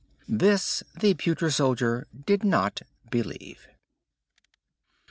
This the pewter soldier did not believe.